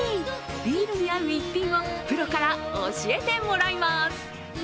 ビールに合う逸品をプロから教えてもらいます。